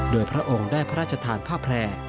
โดยพระองค์ได้พระราชทานข้าวแพร่